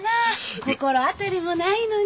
心当たりもないのに。